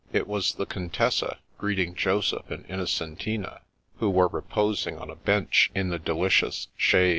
It was the Contessa greeting Joseph and Innocen tina, who were reposing on a bench in the delicious shade.